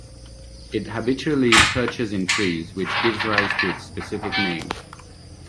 It habitually perches in trees, which gives rise to its specific name.